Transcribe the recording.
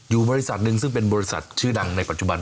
อยู่บริษัทนึงซึ่งเป็นบริษัทชื่อดังในปัจจุบันด้วย